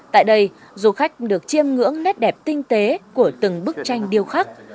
tại đây du khách được chiêm ngưỡng nét đẹp tinh tế của từng bức tranh điêu khắc